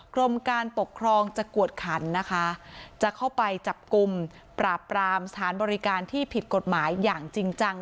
กรมการปกครองจะกวดขันนะคะจะเข้าไปจับกลุ่มปราบปรามสถานบริการที่ผิดกฎหมายอย่างจริงจัง